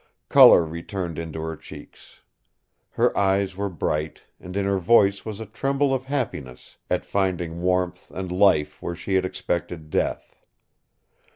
Color returned into her cheeks. Her eyes were bright, and in her voice was a tremble of happiness at finding warmth and life where she had expected death.